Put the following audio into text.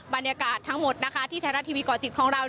บรรยากาศทั้งหมดนะคะที่ไทยรัฐทีวีก่อติดของเรา